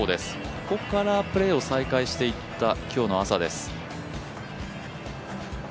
ここからプレーを再開していった今日の朝です。